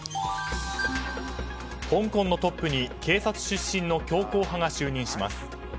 香港のトップに警察出身の強硬派が就任します。